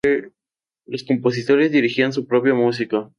Los compositores dirigían su propia música.